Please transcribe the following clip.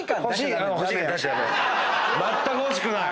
まったく欲しくない。